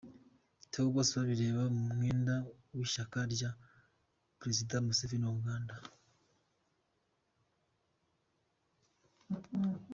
Theo Bosebabireba mu mwenda w'ishyaka rya Perezida Museveni wa Uganda.